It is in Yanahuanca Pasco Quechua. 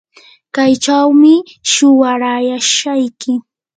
kaychawmi shuwarashayki.